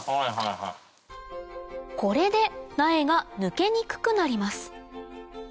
これで苗が抜けにくくなります